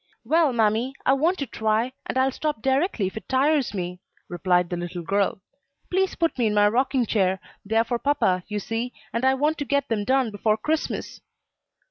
"Well, mammy, I want to try, and I'll stop directly if it tires me," replied the little girl. "Please put me in my rocking chair. They are for papa, you see, and I want to get them done before Christmas."